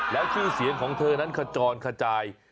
แล้วชื่อเสียงของเธอนั้นขจรขจาย